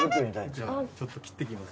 じゃあちょっと切ってきます。